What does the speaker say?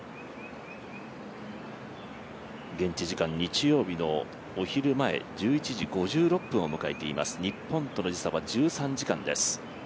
現地時間日曜日のお昼前１１時５６分を迎えています、日本との時差は１３時間です。